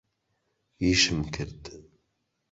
ئیشم کرد.